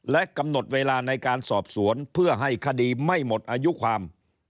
และกำหนดเวลาในการสอบสวนเพื่อให้คดีไม่หมดอายุความ